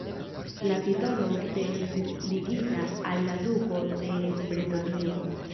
La titolo ofte estis ligita al la duko de Bretonio.